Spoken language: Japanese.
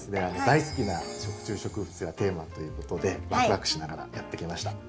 大好きな食虫植物がテーマということでワクワクしながらやって来ました。